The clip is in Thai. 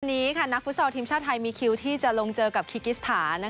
วันนี้นักฟุตซอลทีมชาติไทยมีคิวที่จะลงเจอกับคิกิสถาน